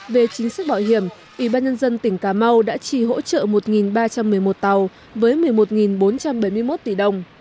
về chính sách bảo hiểm ủy ban nhân dân tỉnh cà mau đã trì hỗ trợ một ba trăm một mươi một tàu với một mươi một bốn trăm bảy mươi một tỷ đồng